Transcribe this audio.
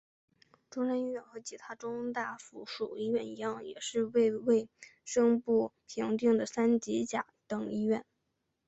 中山一院和其它中大附属医院一样也是被卫生部评定的三级甲等医院。